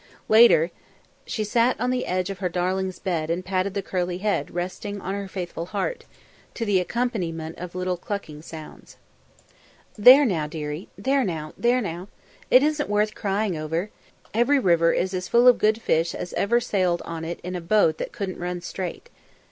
Later, she sat on the edge of her darling's bed and patted the curly head resting on her faithful heart, to the accompaniment of little clucking sounds. "There now, dearie there now there now! It isn't worth crying over; every river is as full of good fish as ever sailed on it in a boat that couldn't run straight.